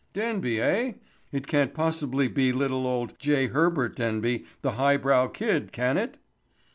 "Denby, eh? It can't possibly be little old J. Herbert Denby, the highbrow kid, can it?"